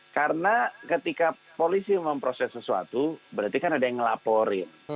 karena ketika polisi memproses sesuatu berarti kan ada yang ngelaporin